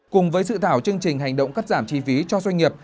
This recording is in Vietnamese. cùng với sự thảo chương trình hành động cắt giảm chi phí cho doanh nghiệp